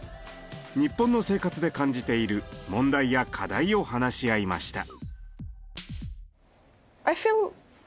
日本の生活で感じている問題や課題を話し合いました。